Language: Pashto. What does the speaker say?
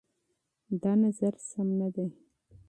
دا نظر سم نه دی.